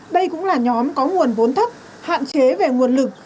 đây cũng là nhóm có nguồn vốn thấp hạn chế về nguồn lực